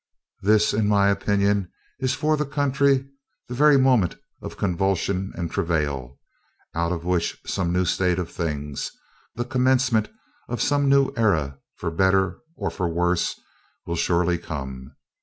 This, in my opinion, is for the country the very moment of convulsion and travail, out of which some new state of things, the commencement of some new era, for better or for worse, will surely come.